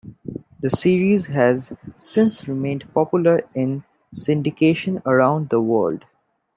The series has since remained popular in syndication around the world.